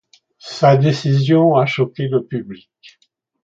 Sa décision a choqué le public.